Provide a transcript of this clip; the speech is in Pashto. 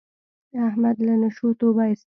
احمد له نشو توبه ایستله.